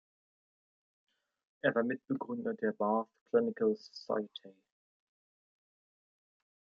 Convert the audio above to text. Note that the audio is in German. Er war Mitbegründer der "Bath Clinical Society".